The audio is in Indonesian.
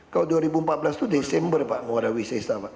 kalau dua ribu empat belas itu desember pak muara wisesa pak